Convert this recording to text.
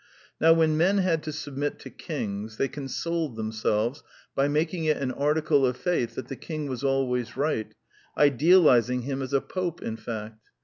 Now when men had to submit to kings, they con soled themselves by making it an article of faith that the king was always right, idealizing him as a Pope, in fact.